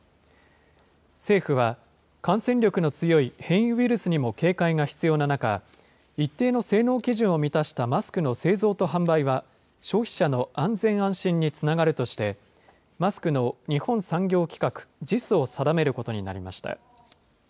政府は感染力の強い変異ウイルスにも警戒が必要な中、一定の性能基準を満たしたマスクの製造と販売は、消費者の安全安心につながるとして、マスクの日本産業規格・ＪＩＳを定めることになりました。